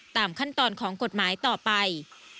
ตามขั้นตอนของกฎหมายต่อไป